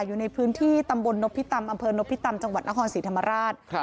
อยู่ในพื้นที่ตำบลนพิตำอำเภอนพิตำจังหวัดนครศรีธรรมราช